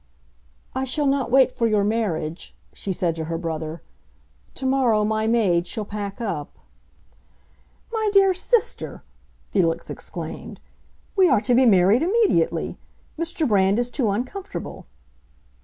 "I shall not wait for your marriage," she said to her brother. "Tomorrow my maid shall pack up." "My dear sister," Felix exclaimed, "we are to be married immediately! Mr. Brand is too uncomfortable."